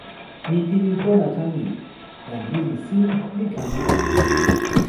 mi pilin pona tan ni: jan lili sin li kama lon.